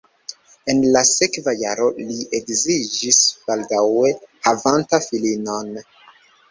En la sekva jaro li edziĝis baldaŭe havanta filinon.